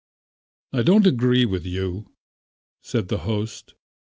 "I don't agree with you," said the host.